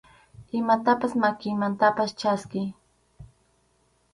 Imatapas makinmantapas chaskiy.